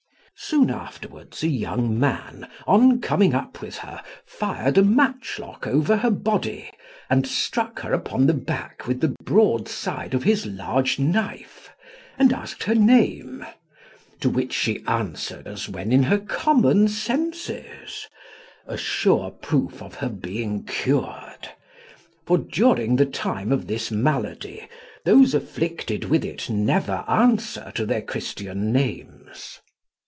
Soon afterwards a young man, on coming up with her, fired a matchlock over her body, and struck her upon the back with the broad side of his large knife, and asked her name, to which she answered as when in her common senses a sure proof of her being cured; for during the time of this malady those afflicted with it never answer to their Christian names.